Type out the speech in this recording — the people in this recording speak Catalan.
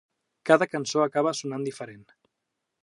Cada cançó acaba sonant diferent.